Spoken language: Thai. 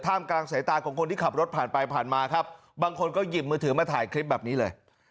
กลางสายตาของคนที่ขับรถผ่านไปผ่านมาครับบางคนก็หยิบมือถือมาถ่ายคลิปแบบนี้เลย